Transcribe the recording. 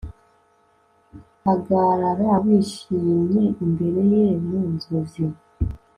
Hagarara wishimye imbere ye mu nzozi